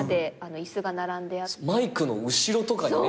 マイクの後ろとかにね